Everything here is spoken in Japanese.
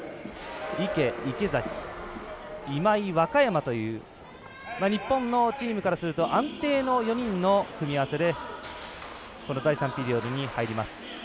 池、池崎、今井、若山という日本のチームからすると安定の４人の組み合わせで第３ピリオドに入ります。